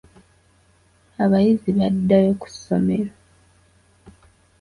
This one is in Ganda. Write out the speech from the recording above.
Abayizi baddayo ku ssomero.